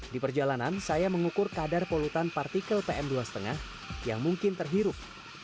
di perjalanan saya mengukur kadar polutan partikel pm dua lima yang mungkin terhirup